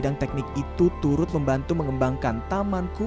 karena kita sudah berkembang ke muir ini